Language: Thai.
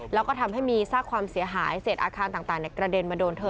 แล้วก็ทำให้มีซากความเสียหายเศษอาคารต่างกระเด็นมาโดนเธอ